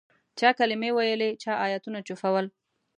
چا کلمې ویلې چا آیتونه چوفول.